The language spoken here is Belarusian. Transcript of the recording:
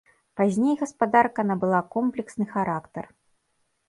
Пазней гаспадарка набыла комплексны характар.